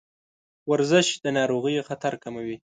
ورزش د ناروغیو خطر کموي.